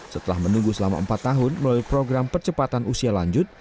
setelah menunggu selama empat tahun melalui program percepatan usia lanjut